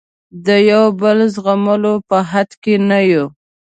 د یو بل زغملو په حد کې نه یو.